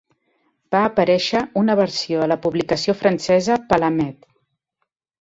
Va aparèixer una versió a la publicació francesa "Palamede".